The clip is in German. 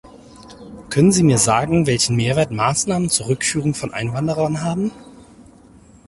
Können Sie mir sagen, welchen Mehrwert Maßnahmen zur Rückführung von Einwanderern haben?